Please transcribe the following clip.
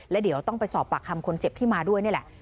แล้วเดี๋ยวต้องไปสอบปากคำคนเจ็บที่มาด้วยนี่แหละ